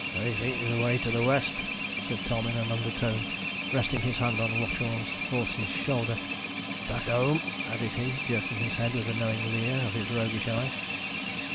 'I think he's away to the west,' said Tom in an undertone, resting his hand on Watchorn's horse's shoulder; 'back home,' added he, jerking his head with a knowing leer of his roguish eye.